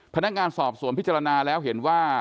พนักงานสอบสวนพิจารณาแล้วเห็นว่า